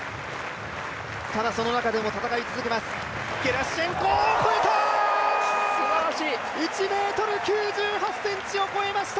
ただその中でも戦い続けます。